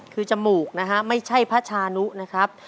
คือจมูกนะฮะไม่ใช่พระชานุนะครับ